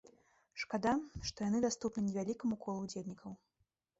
Шкада, што яны даступны невялікаму колу ўдзельнікаў.